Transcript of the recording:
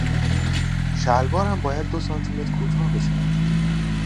شلوارم باید دو سانتیمتر کوتاه بشود.